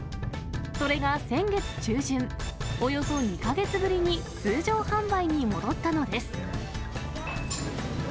それが先月中旬、およそ２か月ぶりに通常販売に戻ったのです。